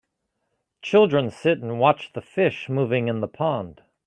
Children sit and watch the fish moving in the pond